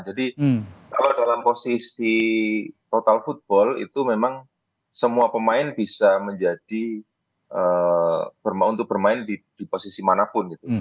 jadi kalau dalam posisi total football itu memang semua pemain bisa menjadi untuk bermain di posisi manapun